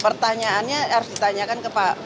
pertanyaannya harus ditanyakan ke pak